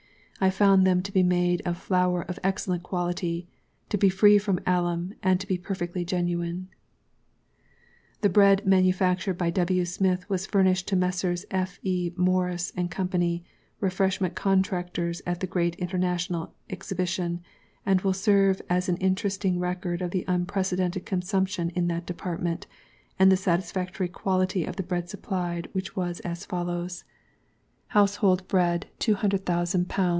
I found them to be made of Flour of excellent Quality, to be free from Alum, and to be PERFECTLY GENUINE. The Bread manufactured by W. SMITH was furnished to Messrs. F. E. MORRISH & Co., Refreshment Contractors at the Great International Exhibition, and will serve as an interesting record of the unprecedented consumption in that department, and the satisfactory quality of the Bread supplied, which was as follows: Household Bread, 200,000 lbs.